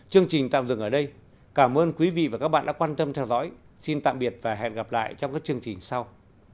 chương trình tạm dừng ở đây cảm ơn quý vị và các bạn đã quan tâm theo dõi xin tạm biệt và hẹn gặp lại trong các chương trình sau